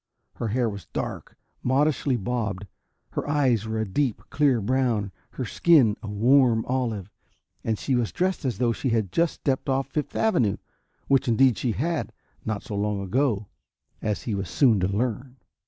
Her hair was dark, modishly bobbed. Her eyes were a deep, clear brown, her skin a warm olive. And she was dressed as though she had just stepped off Fifth Avenue which indeed she had, not so long ago, as he was soon to learn.